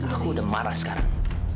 aku udah marah sekarang